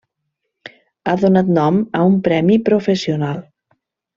Ha donat nom a un premi professional.